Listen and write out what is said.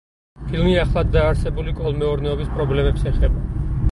ფილმი ახლადდაარსებული კოლმეურნეობის პრობლემებს ეხება.